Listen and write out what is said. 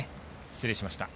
失礼しました。